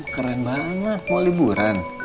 keren banget mau liburan